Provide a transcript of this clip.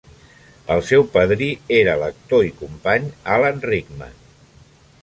El seu padrí era l"actor i company Alan Rickman.